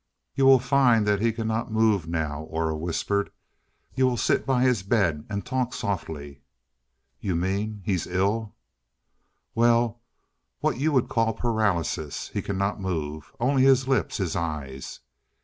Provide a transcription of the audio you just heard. "You will find that he cannot move now," Aura whispered. "You will sit by his bed. And talk softly." "You mean he's ill?" "Well what you would call paralysis. He cannot move. Only his lips his eyes.